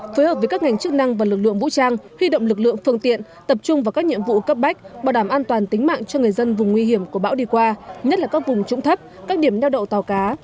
phối hợp với các ngành chức năng và lực lượng vũ trang huy động lực lượng phương tiện tập trung vào các nhiệm vụ cấp bách bảo đảm an toàn tính mạng cho người dân vùng nguy hiểm của bão đi qua nhất là các vùng trũng thấp các điểm neo đậu tàu cá